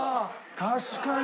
確かに！